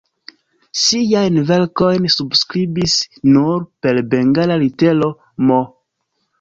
Siajn verkojn subskribis nur per bengala litero "M".